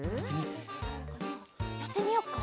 やってみよっか。